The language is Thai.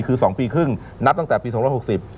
คือ๒ปีครึ่งนับตั้งแต่ปี๒๖๐